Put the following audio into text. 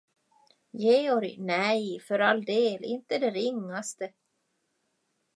Georg, nej för all del, inte det ringaste.